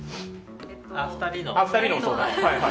２人の相談。